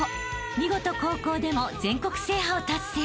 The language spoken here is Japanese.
見事高校でも全国制覇を達成］